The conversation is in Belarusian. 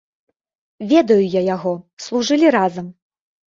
Ведаю я яго, служылі разам.